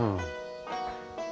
nggak harus ganteng